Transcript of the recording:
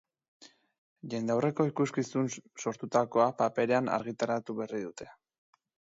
Jendaurrerako ikuskizun sortutakoa, paperean argitaratu berri dute.